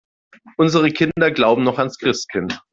Unsere Kinder glauben noch ans Christkind.